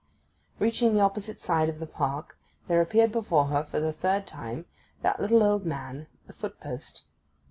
Reaching the opposite side of the park there appeared before her for the third time that little old man, the foot post.